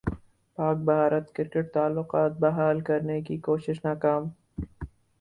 پاک بھارت کرکٹ تعلقات بحال کرنے کی کوشش ناکام